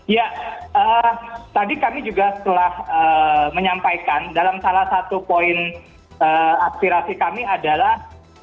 ya tadi kami juga telah menyampaikan dalam salah satu poin aspirasi kami adalah